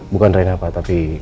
bukan rina pak tapi